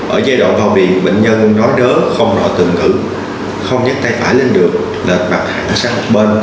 ở giai đoạn vào viện bệnh nhân nói đớ không đọa từng ngữ không nhắc tay phải lên được liệt mặt hẳn sang một bên